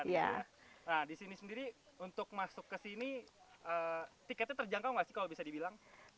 nah disini sendiri untuk masuk kesini tiketnya terjangkau gak sih kalau bisa dibilang